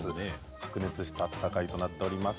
白熱した戦いとなっております。